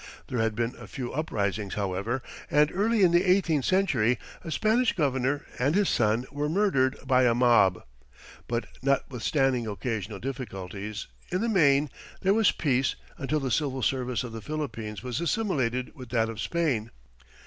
There had been a few uprisings, however, and early in the eighteenth century a Spanish governor and his son were murdered by a mob. But notwithstanding occasional difficulties, in the main there was peace until the civil service of the Philippines was assimilated with that of Spain.